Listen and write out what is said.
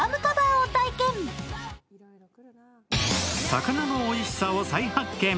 魚のおいしさを再発見。